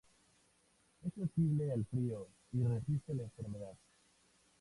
Es sensible al frío y resiste la enfermedad.